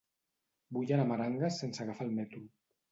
Vull anar a Meranges sense agafar el metro.